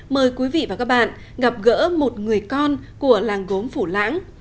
mời quý vị và các bạn gặp gỡ một người con của làng gốm phủ lãng